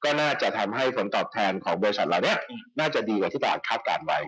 ก็น่าจะทำให้ผลตอบแทนของบริษัทเหล่านี้น่าจะดีกว่าที่ตลาดคาดการณ์ไว้